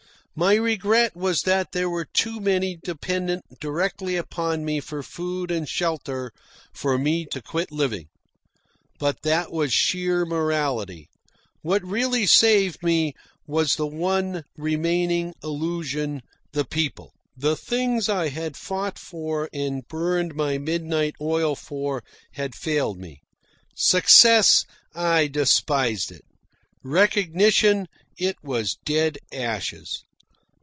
My regret was that there were too many dependent directly upon me for food and shelter for me to quit living. But that was sheer morality. What really saved me was the one remaining illusion the PEOPLE. The things I had fought for and burned my midnight oil for had failed me. Success I despised it. Recognition it was dead ashes.